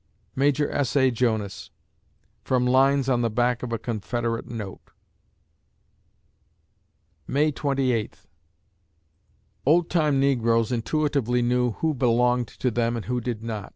MAJOR S. A. JONAS (From "Lines on the back of a Confederate note") May Twenty Eighth Old time negroes intuitively knew who "belonged" to them and who did not.